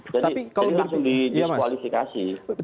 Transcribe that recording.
jadi langsung di disqualifikasi